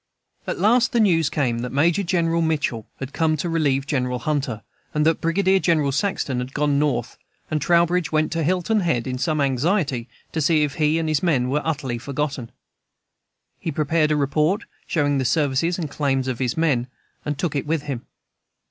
At last the news came that Major General Mitchell had come to relieve General Hunter, and that Brigadier General Saxton had gone North; and Trowbridge went to Hilton Head in some anxiety to see if he and his men were utterly forgotten. He prepared a report, showing the services and claims of his men, and took it with him.